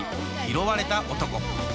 「拾われた男」。